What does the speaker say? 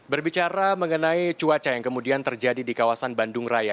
berbicara mengenai cuaca yang kemudian terjadi di kawasan bandung raya